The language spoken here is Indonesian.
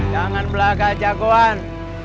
jangan berlagak jagoan